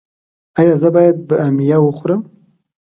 ایا زه باید بامیه وخورم؟